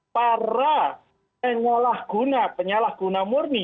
para pengolah guna penyalah guna murni